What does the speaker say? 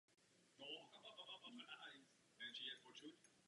V únoru byla spuštěna anglická verze webových stránek.